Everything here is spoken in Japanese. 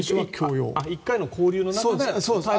１回の勾留の中で？